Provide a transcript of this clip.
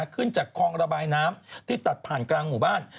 ขึ้นจากคลองระบายน้ำที่ตัดผ่านกลางหมู่บ้าน